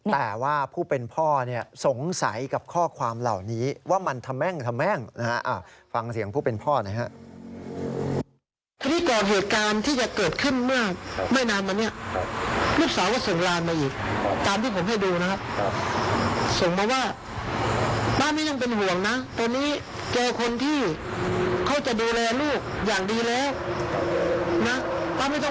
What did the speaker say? แต่ว่าผู้เป็นพ่อเนี่ยสงสัยกับข้อความเหล่านี้ว่ามันทำแม่งนะฮะฟังเสียงผู้เป็นพ่อหน่อยฮะ